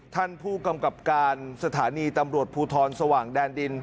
ท่านผู้กำกับการสถานีตำรวจภูทรสว่างแดนดิน